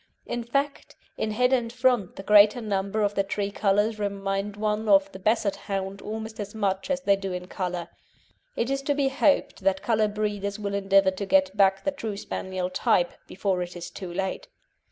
In fact, in head and front the greater number of the tricolours remind one of the Basset hound almost as much as they do in colour. It is to be hoped that colour breeders will endeavour to get back the true Spaniel type before it is too late.